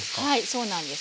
そうなんです。